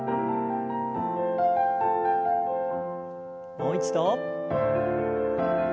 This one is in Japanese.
もう一度。